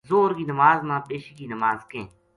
ظہر کی نماز نا پیشی کہ نماز کہیں۔